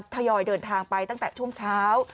ทยอยเดินทางไปตั้งแต่ช่วงเช้า